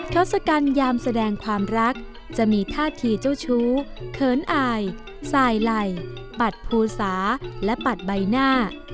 ทศกัณฐามแสดงความรักจะมีท่าทีเจ้าชู้เขินอายสายไหล่ปัดภูสาและปัดใบหน้า